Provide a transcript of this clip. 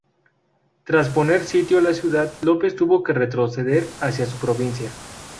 Tras poner sitio a la ciudad, López tuvo que retroceder hacia su provincia.